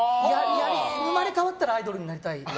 生まれ変わったらアイドルになりたい。